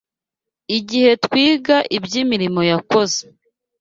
Igihe twiga iby’imirimo yakoze